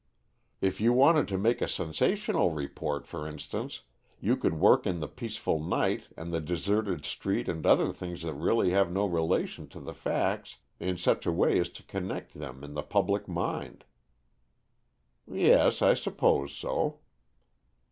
"If you wanted to make a sensational report, for instance, you could work in the peaceful night and the deserted street and other things that really have no relation to the facts in such a way as to connect them in the public mind." "Yes, I suppose so."